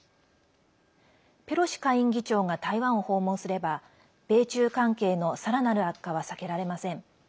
ペロシ下院議長が台湾を訪問すれば米中関係のさらなる悪化は避けられません。